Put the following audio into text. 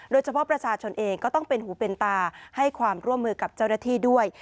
โดยเฉพาะประชาชนเองก็ต้องเป็นหูเป็นตาให้ความร่วมมือกับเจ้าหน้าที่ด้วย